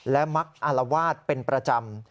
และมักอารวาสเป็นประจำ